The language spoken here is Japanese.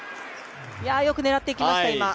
よく狙っていきました。